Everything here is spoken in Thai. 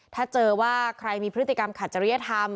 ถ้าเจอว่าใครมีพฤติกรรมขัดจริยธรรม